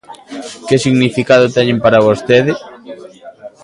Que significado teñen para vostede?